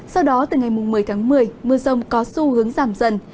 sau đó từ ngày một mươi tháng một mươi mưa rông có xu hướng giảm dần